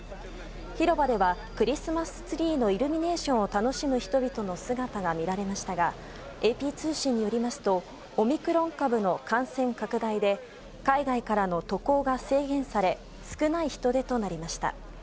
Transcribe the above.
広場ではクリスマスツリーのイルミネーションを楽しむ人々の姿が見られましたが、ＡＰ通信によりますと、オミクロン株の感染拡大で、海外からの渡航が制限され、少ない人出となりました。